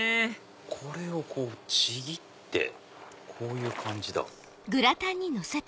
これをちぎってこういう感じだ。